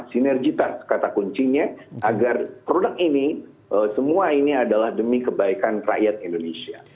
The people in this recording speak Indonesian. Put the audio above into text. sinergitas kata kuncinya agar produk ini semua ini adalah demi kebaikan rakyat indonesia